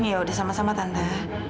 ya udah sama sama tante